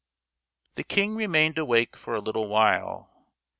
The king remained awake for a little while.